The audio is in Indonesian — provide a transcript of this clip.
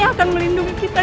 aku akan menjaganya kakak